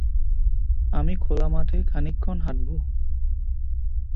আমি খোলা মাঠে খানিকক্ষণ হাঁটব।